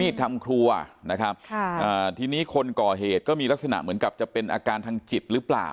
ทำครัวนะครับค่ะอ่าทีนี้คนก่อเหตุก็มีลักษณะเหมือนกับจะเป็นอาการทางจิตหรือเปล่า